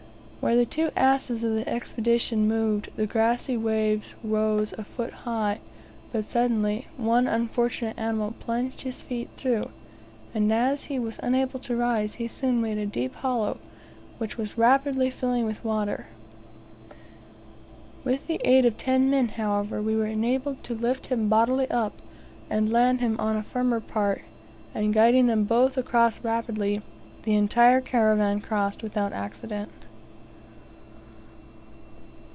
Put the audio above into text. Where the two asses of the Expedition moved, the grassy waves rose a foot high; but suddenly one unfortunate animal plunged his feet through, and as he was unable to rise, he soon made a deep hollow, which was rapidly filling with water. With the aid of ten men, however, we were enabled to lift him bodily up and land him on a firmer part, and guiding them both across rapidly, the entire caravan crossed without accident.